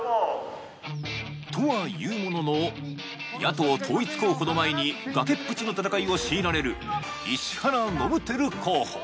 とはいうものの野党統一候補の前に崖っぷちの戦いを強いられる石原伸晃候補。